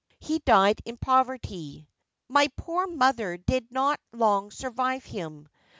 He died in poverty. My poor mother did not long survive him.